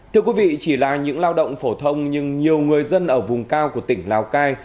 thưa quý vị chỉ là những lao động phổ thông nhưng nhiều người dân ở vùng cao của tỉnh lào cai